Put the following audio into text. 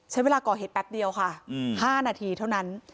ใช้เวลาก่อเหตุแป๊บเดียวค่ะ๕นาทีเท่านั้น